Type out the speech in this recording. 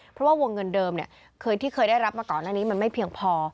เพราะว่าวงเงินเดิมที่เคยได้รับมาก่อนหน้านี้มันไม่เพียงพอ